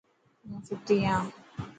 هون ستي هان.